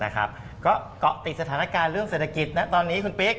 ก็เกาะติดสถานการณ์เรื่องเศรษฐกิจตอนนี้คุณปิ๊ก